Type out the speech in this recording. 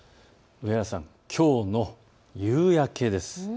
上原さん、きょうの夕焼けです。